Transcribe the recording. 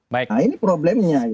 nah ini problemnya